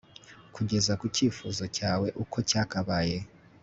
Kugeza ku cyifuzo cyawe uko cyakabaye